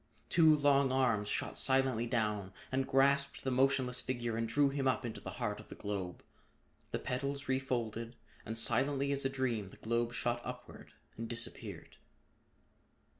Two long arms shot silently down and grasped the motionless figure and drew him up into the heart of the globe. The petals refolded, and silently as a dream the globe shot upward and disappeared.